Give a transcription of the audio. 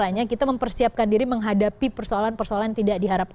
makanya kita mempersiapkan diri menghadapi persoalan persoalan yang tidak diharapkan